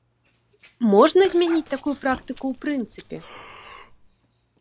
Можна змяніць такую практыку ў прынцыпе?